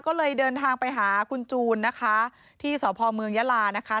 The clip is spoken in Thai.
ก็เลยเดินทางไปหาคุณจูนนะคะที่สพเมืองยาลานะคะ